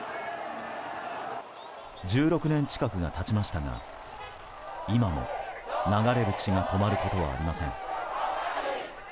１６年近くが経ちましたが今も流れる血が止まることはありません。